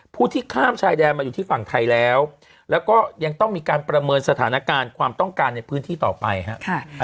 ผู้ที่ข้ามชายแดนมาอยู่ที่ฝั่งไทยแล้วแล้วก็ยังต้องมีการประเมินสถานการณ์ความต้องการในพื้นที่ต่อไปครับ